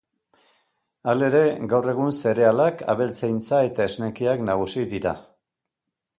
Halere, gaur egun zerealak, abeltzaintza eta esnekiak nagusi dira.